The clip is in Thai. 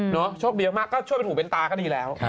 โชคดีมากก็ช่วยเป็นหูเป็นตาก็ดีแล้ว